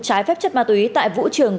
trái phép chất ma túy tại vũ trường